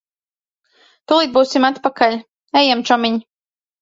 Tūlīt būsim atpakaļ. Ejam, čomiņ.